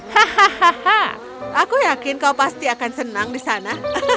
hahaha aku yakin kau pasti akan senang di sana